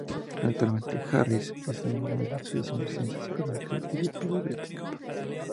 Actualmente, Harris es miembro de la Asociación de Ciencia Psicológica y Phi Beta Kappa.